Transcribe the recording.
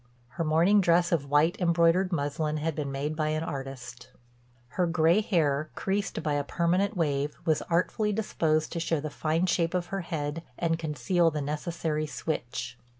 Her morning dress of white embroidered muslin had been made by an artist. Her gray hair, creased by a "permanent wave," was artfully disposed to show the fine shape of her head and conceal the necessary switch.